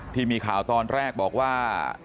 ที่มีข่าวตอนแรกบอกว่า